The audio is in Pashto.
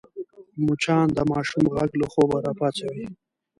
مچان د ماشوم غږ له خوبه راپاڅوي